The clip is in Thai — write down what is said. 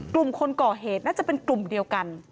กลุ่มคนก่อเหตุน่าจะเป็นกลุ่มเดียวกัน